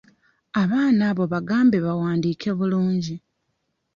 Abaana abo bagambe bawandiike bulungi.